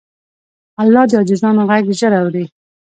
الله د عاجزانو غږ ژر اوري.